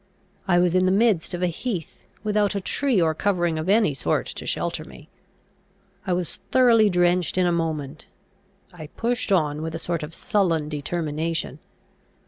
I was in the midst of a heath, without a tree or covering of any sort to shelter me. I was thoroughly drenched in a moment. I pushed on with a sort of sullen determination.